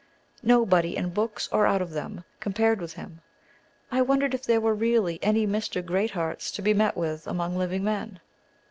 Nobody, in books or out of them, compared with him. I wondered if there were really any Mr. Great Hearts to be met with among living men.